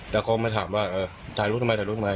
แล้วเขามาถามว่าถ่ายรูปทำไมถ่ายรูปทำไม